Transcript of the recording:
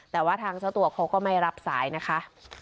แต่ว่าทางเจ้าตัวเขาก็ไม่รับสายนะคะ